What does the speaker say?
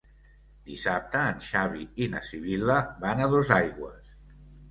Dissabte en Xavi i na Sibil·la van a Dosaigües.